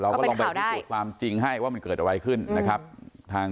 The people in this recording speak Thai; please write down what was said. เราก็ลองพิสูจน์ความจริงให้ว่ามันเกิดอะไรขึ้น